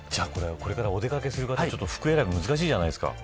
これから、お出掛けする方は服選びが難しいじゃないですか。